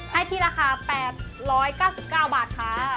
ให้ที่ราคา๘๙๙บาทค่ะ